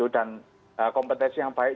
dan kompetensi yang baik